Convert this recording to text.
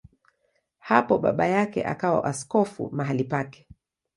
Hapo baba yake akawa askofu mahali pake.